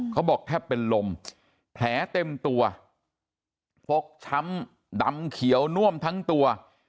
เขาบอกแทบเป็นลมแผลเต็มตัวฟกช้ำดำเขียวน่วมทั้งตัว